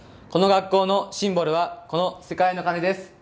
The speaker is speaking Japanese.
この学校のシンボルはこの世界の鐘です。